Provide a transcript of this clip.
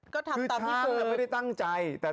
คือช้างไม่ได้ตั้งใจ